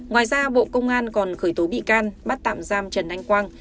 ngoài ra bộ công an còn khởi tố bị can bắt tạm giam trần anh quang